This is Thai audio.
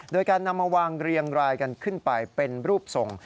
โดยการนำมาวางเรียงรายกันขึ้นไปเป็นรูปทรง